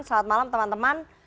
selamat malam teman teman